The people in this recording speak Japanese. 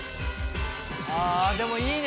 でもいいね。